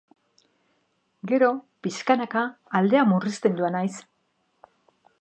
Gero, pixkanaka, aldea murrizten joan naiz.